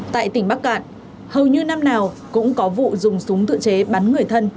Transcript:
tại tỉnh bắc cạn hầu như năm nào cũng có vụ dùng súng tự chế bắn người thân